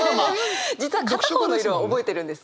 実は片方の色は覚えてるんです。